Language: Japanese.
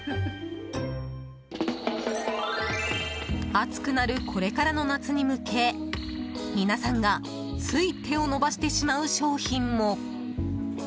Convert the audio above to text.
暑くなるこれからの夏に向け皆さんがつい手を伸ばしてしまう商品も。